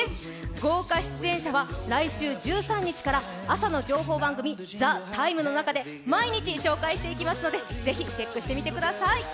豪華出演者は来週１３日から朝の情報番組「ＴＨＥＴＩＭＥ，」の中で毎日紹介していきますのでぜひチェックしてみてください。